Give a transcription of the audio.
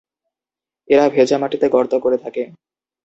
এরা ভেজা মাটিতে গর্ত করে থাকে।